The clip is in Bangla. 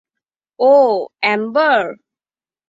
ওহ, এম্বার।